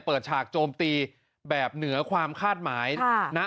ฉากโจมตีแบบเหนือความคาดหมายนะ